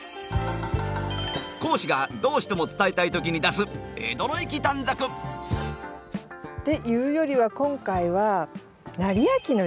講師がどうしても伝えたい時に出す江戸の粋短冊。っていうよりは今回は「斉昭の粋」かな？